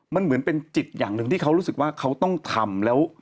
มันเหมือนเป็นจิตอย่างหนึ่งที่เขารู้สึกว่าเขาต้องทำแล้ว